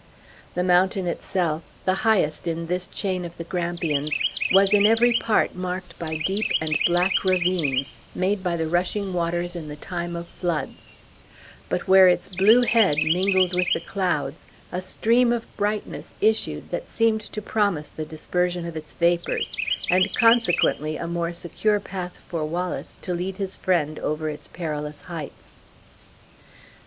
The mountain itself, the highest in this chain of the Grampians, was in every part marked by deep and black ravines, made by the rushing waters in the time of floods; but where its blue head mingled with the clouds, a stream of brightness issued that seemed to promise the dispersion of its vapors; and consequently a more secure path for Wallace, to lead his friend over its perilous heights.